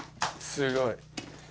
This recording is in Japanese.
すごい。